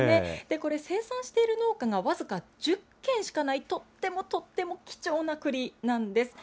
これ、生産している農家が僅か１０軒しかない、とってもとっても貴重なくりなんです。